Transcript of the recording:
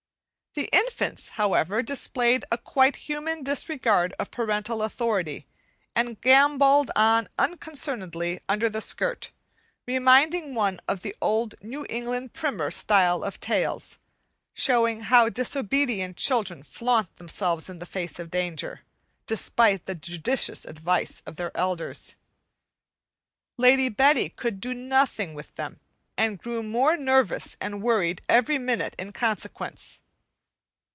The infants, however, displayed a quite human disregard of parental authority and gambolled on unconcernedly under the skirt; reminding one of the old New England primer style of tales, showing how disobedient children flaunt themselves in the face of danger, despite the judicious advice of their elders. Lady Betty could do nothing with them, and grew more nervous and worried every minute in consequence.